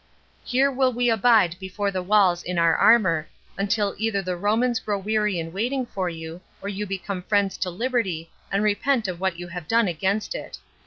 Here will we abide before the walls in our armor, until either the Romans grow weary in waiting for you, or you become friends to liberty, and repent of what you have done against it."